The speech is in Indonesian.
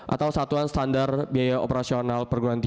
atau satuan standar biaya operasional